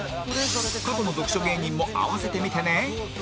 過去の読書芸人も併せて見てね